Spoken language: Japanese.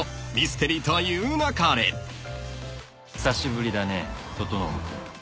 「久しぶりだね整君」